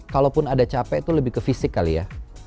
kalaupun ada capek itu lebih ke fisik kali ya